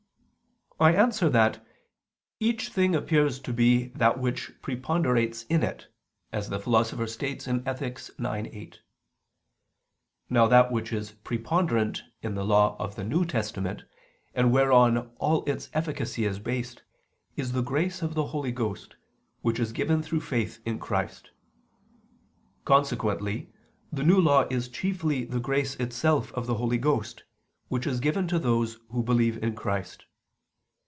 I answer that, "Each thing appears to be that which preponderates in it," as the Philosopher states (Ethic. ix, 8). Now that which is preponderant in the law of the New Testament, and whereon all its efficacy is based, is the grace of the Holy Ghost, which is given through faith in Christ. Consequently the New Law is chiefly the grace itself of the Holy Ghost, which is given to those who believe in Christ.